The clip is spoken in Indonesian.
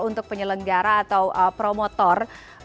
untuk penyelenggara atau promotor